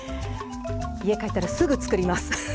家帰ったらすぐ作ります。